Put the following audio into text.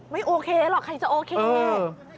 ไม่โอเคหรอกใครจะโอเค